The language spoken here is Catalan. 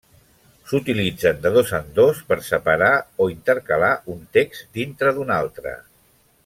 S'utilitzen de dos en dos per separar o intercalar un text dintre d'un altre.